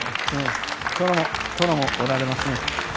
殿もおられますね。